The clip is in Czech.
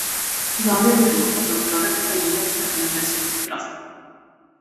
V závěru života byl prorektorem Německé univerzity v Praze.